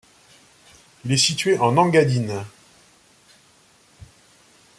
Il est situé en Engadine.